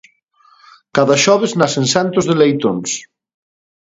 Cada xoves nacen centos de leitóns.